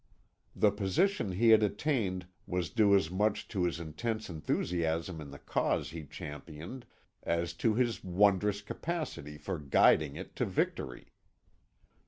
The position he had attained was due as much to his intense enthusiasm in the cause he championed as to his wondrous capacity for guiding it to victory.